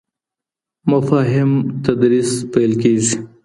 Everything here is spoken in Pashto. مفاهیم تدریس پیل کیږي.